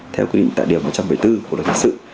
theo quy định tại điểm một trăm bảy mươi bốn của đồng chức sự